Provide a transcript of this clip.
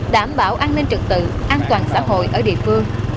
đảm bảo an ninh trực tự an toàn xã hội ở địa phương